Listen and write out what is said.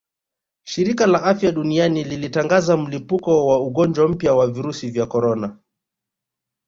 Shirika la Afya Duniani lilitangaza mlipuko wa ugonjwa mpya wa virusi vya korona